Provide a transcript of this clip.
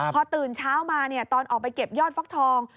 พอตื่นเช้ามาตอนออกไปเก็บยอดฟักทอง